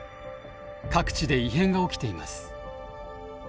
各地で異変が起きています。